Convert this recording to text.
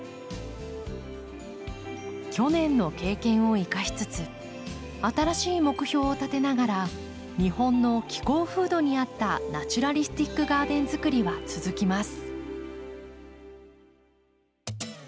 去年の経験を生かしつつ新しい目標を立てながら日本の気候風土に合ったナチュラリスティックガーデンづくりは続きます。